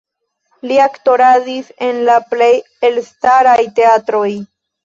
Li aktoradis en la plej elstaraj teatroj.